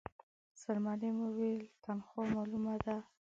سرمعلم وويل، تنخوا مالومه ده.